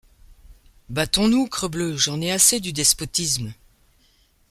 Battons-nous, crebleu ! j’en ai assez du despotisme.